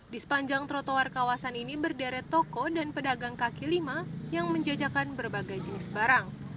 di sepanjang trotoar kawasan ini berderet toko dan pedagang kaki lima yang menjajakan berbagai jenis barang